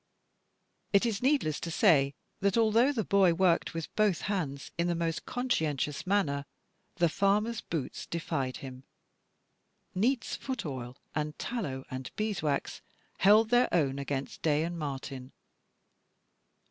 It is needless to say that, although the boy worked with both hands in the most conscientious manner, the farmer's boots defied him. Neats' foot oil, and tallow, and beeswax held their own against Day and Martin.